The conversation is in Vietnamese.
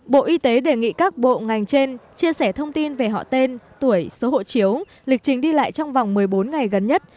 bộ y tế đề nghị các bộ ngành trên chia sẻ thông tin về họ tên tuổi số hộ chiếu lịch trình đi lại trong vòng một mươi bốn ngày gần nhất